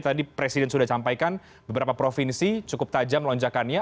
tadi presiden sudah sampaikan beberapa provinsi cukup tajam lonjakannya